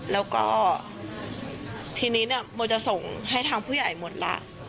แล้วก็ทีนี้หม่อจะส่งให้ทำผู้ใหญ่ทุกคน